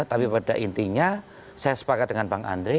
tapi pada intinya saya sepakat dengan bang andre